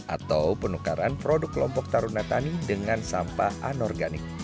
atau penukaran produk kelompok tarunatani dengan sampah anorganik